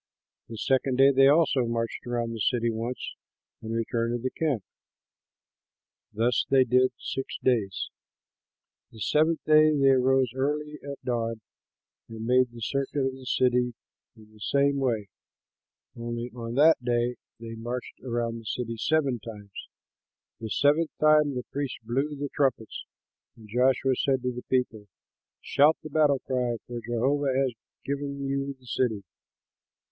The second day they also marched around the city once and returned to the camp. Thus they did six days. The seventh day they rose early at dawn and made the circuit of the city in the same way, only on that day they marched about the city seven times. The seventh time the priests blew the trumpets, and Joshua said to the people, "Shout the battle cry; for Jehovah has given you the city.